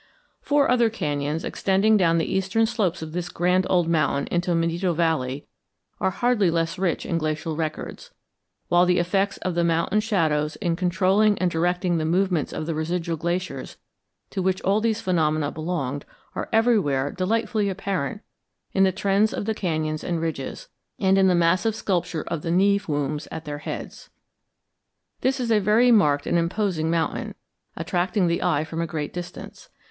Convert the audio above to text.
Four other cañons, extending down the eastern slopes of this grand old mountain into Monito Valley, are hardly less rich in glacial records, while the effects of the mountain shadows in controlling and directing the movements of the residual glaciers to which all these phenomena belonged are everywhere delightfully apparent in the trends of the cañons and ridges, and in the massive sculpture of the neve wombs at their heads. This is a very marked and imposing mountain, attracting the eye from a great distance.